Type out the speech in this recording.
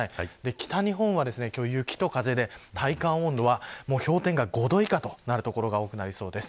北日本は、雪と風で体感温度は氷点下５度以下となる所が多くなりそうです。